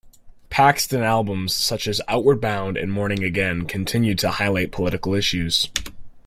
Paxton albums such as "Outward Bound" and "Morning Again" continued to highlight political issues.